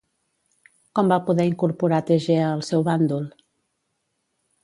Com va poder incorporar Tegea al seu bàndol?